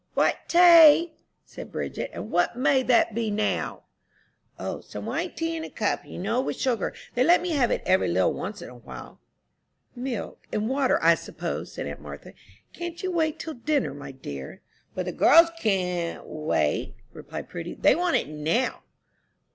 "White tay!" said Bridget; "and what may that be now?" "O, some white tea, in a cup, you know, with sugar. They let me have it every little once in a while." "Milk and water, I suppose," said aunt Martha. "Can't you wait till dinner, my dear?" "But the girls can't wait," replied Prudy; "they want it now."